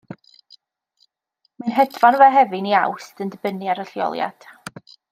Mae'n hedfan o Fehefin i Awst, yn dibynnu ar y lleoliad.